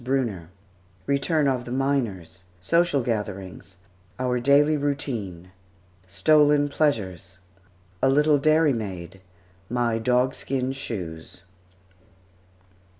BRUNNER RETURN OF THE MINERS SOCIAL GATHERINGS OUR DAILY ROUTINE STOLEN PLEASURES A LITTLE DAIRYMAID MY DOGSKIN SHOES.